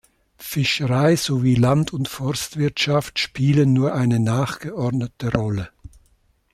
Fischerei sowie Land- und Forstwirtschaft spielen nur eine nachgeordnete Rolle.